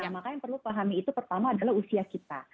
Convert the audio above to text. maka yang perlu pahami itu pertama adalah usia kita